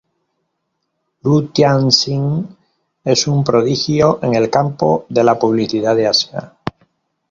Lu Tian Xing es un prodigio en el campo de la publicidad de Asia.